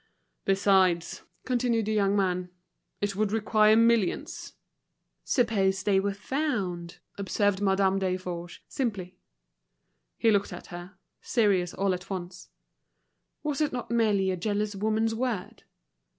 "Besides," continued the young man, "it would require millions." "Suppose they were found?" observed Madame Desforges, simply. He looked at her, serious all at once. Was it not merely a jealous woman's word?